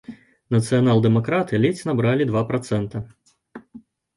Нацыянал-дэмакраты ледзь набралі два працэнта.